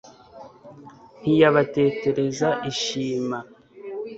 ntiyabatetereza ishima